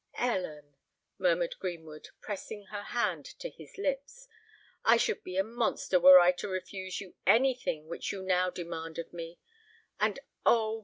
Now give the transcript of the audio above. "Ellen," murmured Greenwood, pressing her hand to his lips, "I should be a monster were I to refuse you any thing which you now demand of me; and, oh!